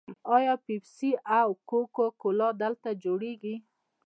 آیا پیپسي او کوکا کولا دلته جوړیږي؟